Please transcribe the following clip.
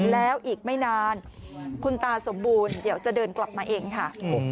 แล้วอีกไม่นานคุณตาสมบูรณ์เดี๋ยวจะเดินกลับมาเองค่ะ